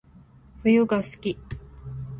冬が好き